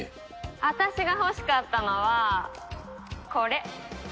私が欲しかったのはこれ。